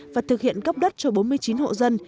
và thực hiện cấp đất cho bốn mươi chín hộ dân